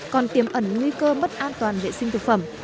còn tiềm ẩn nguy cơ mất an toàn vệ sinh thực phẩm